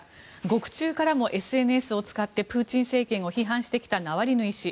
獄中からもＳＮＳを使ってプーチン政権を批判してきたナワリヌイ氏。